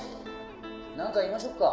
なんか言いましょうか。